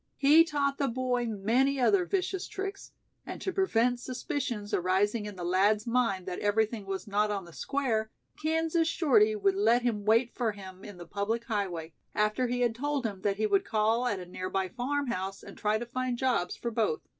He taught the boy many other vicious tricks, and to prevent suspicions arising in the lad's mind that everything was not on the square, Kansas Shorty would let him wait for him in the public highway, after he had told him that he would call at a nearby farm house and try to find jobs for both.